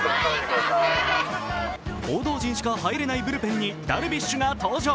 報道陣しか入れないブルペンにダルビッシュが登場。